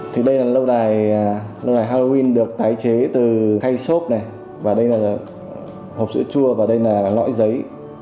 thì đây là lâu đài lâu đài halloween được tái chế từ khay xốp này và đây là hộp sữa chua và đây là nõi giấy